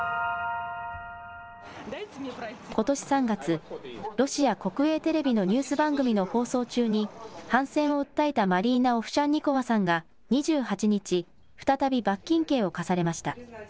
ことし３月、ロシア国営テレビのニュース番組の放送中に反戦を訴えたマリーナ・オフシャンニコワさんが２８日、再び罰金刑を科されました。